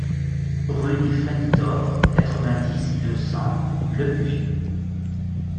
Rue du Phanitor, quatre-vingt-dix, deux cents Lepuix